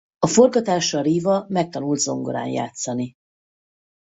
A forgatásra Riva megtanult zongorán játszani.